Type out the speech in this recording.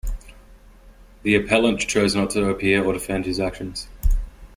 The appellant chose not to appear or defend his actions.